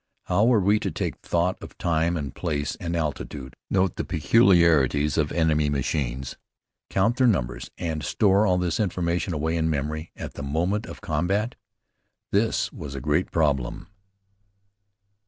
How were we to take thought of time and place and altitude, note the peculiarities of enemy machines, count their numbers, and store all this information away in memory at the moment of combat? This was a great problem.